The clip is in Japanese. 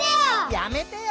「やめてよ」